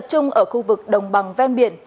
tập trung ở khu vực đồng bằng ven biển